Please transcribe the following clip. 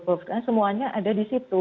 karena semuanya ada di situ